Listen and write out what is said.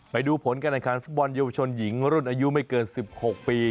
ไปดูผลการแข่งขันฟุตบอลเยาวชนหญิงรุ่นอายุไม่เกิน๑๖ปี